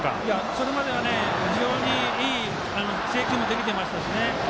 それまではいい制球もできてましたし